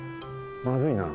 まずいな。